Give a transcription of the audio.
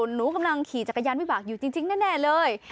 หนูกำลังขี่จักรยานวิบากอยู่จริงแน่เลย